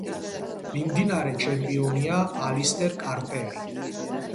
მიმდინარე ჩემპიონია ალისტერ კარტერი.